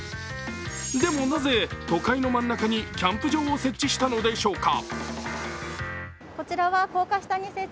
でも、なぜ都会の真ん中にキャンプ場を設置したのでしょうか。